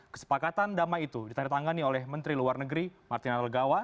kesepakatan damai itu ditandatangani oleh menteri luar negeri martina legawa